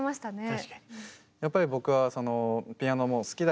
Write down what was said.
確かに。